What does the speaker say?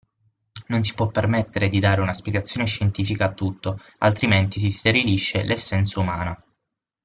Non si può permettere di dare una spiegazione scientifica a tutto altrimenti si sterilisce l'essenza umana.